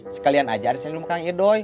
sekalian aja arisan dulu kang idoi